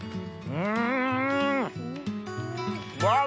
うん！